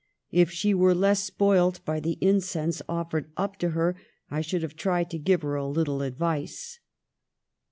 If she were less spoilt by the incense offered up to her, I should have tried to give her a little advice."